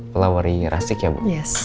flowery rastik ya bu